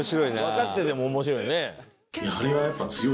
わかってても面白いね。